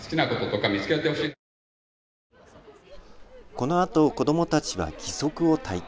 このあと子どもたちは義足を体験。